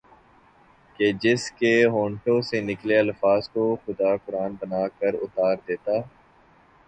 کہ جس کے ہونٹوں سے نکلے الفاظ کو خدا قرآن بنا کر اتار دیتا